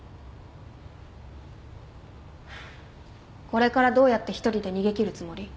これからどうやって一人で逃げ切るつもり？